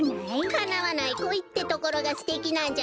かなわないこいってところがすてきなんじゃないべ！